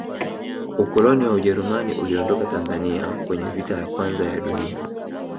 ukoloni wa ujerumani uliondoka tanzania kwenye vita ya kwanza ya dunia